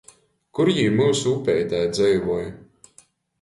Kur jī myusu upeitē dzeivoj?